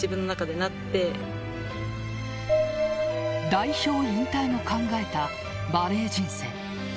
代表引退も考えたバレー人生。